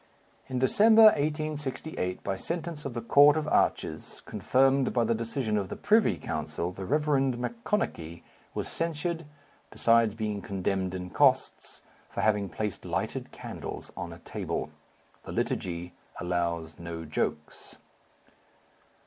In December, 1868, by sentence of the Court of Arches, confirmed by the decision of the Privy Council, the Reverend Mackonochie was censured, besides being condemned in costs, for having placed lighted candles on a table. The liturgy allows no jokes.